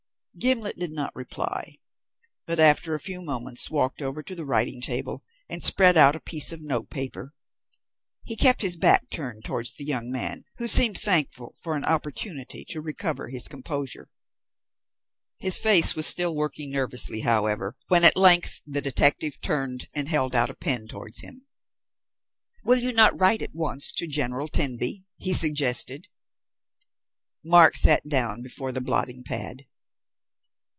Gimblet did not reply, but after a few moments walked over to the writing table and spread out a piece of notepaper. He kept his back turned towards the young man, who seemed thankful for an opportunity to recover his composure. His face was still working nervously, however, when at length the detective turned and held out a pen towards him. "Will you not write at once to General Tenby?" he suggested. Mark sat down before the blotting pad.